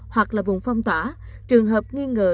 hoặc vùng phong tỏa trường hợp nghi ngờ